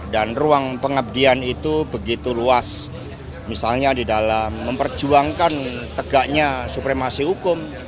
dan ruang pengabdian itu begitu luas misalnya di dalam memperjuangkan tegaknya supremasi hukum